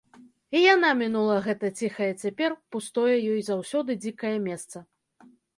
І яна мінула гэтае ціхае цяпер, пустое ёй заўсёды дзікае месца.